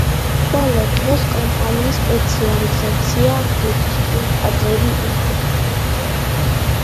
ბოლო დრომდე კომპანიის სპეციალიზაცია ბუდისტური ტაძრები იყო.